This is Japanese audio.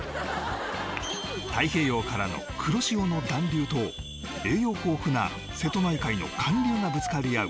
太平洋からの黒潮の暖流と栄養豊富な瀬戸内海の寒流がぶつかり合う